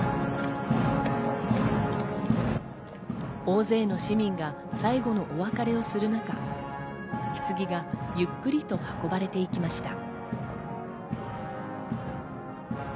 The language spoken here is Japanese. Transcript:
大勢の市民が最後のお別れをする中、ひつぎがゆっくりと運ばれていきました。